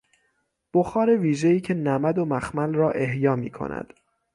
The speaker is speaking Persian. بخار ویژهای که نمد و مخمل را احیا میکند